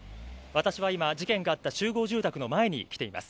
私は今、事件があった集合住宅の前に来ています。